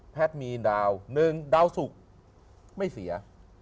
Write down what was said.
แพทย์มีดาว๑ดาวสุขไม่เสีย